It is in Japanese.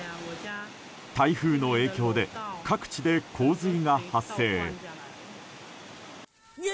台風の影響で各地で洪水が発生。